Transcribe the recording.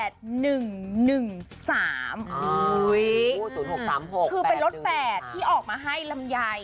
คือเป็นรถแฝดที่ออกมาให้ลำไย